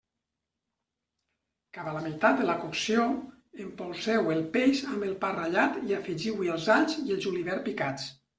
Cap a la meitat de la cocció, empolseu el peix amb el pa ratllat i afegiu-hi els alls i el julivert picats.